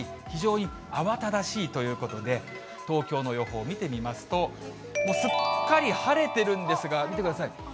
非常に慌ただしいということで、東京の予報見てみますと、もうすっかり晴れてるんですが、見てください。